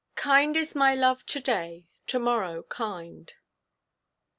'KIND IS MY LOVE TO DAY, TO MORROW KIND.'